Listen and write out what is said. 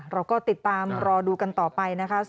เราก็ติดตามรอดูกันต่อไปนะคะ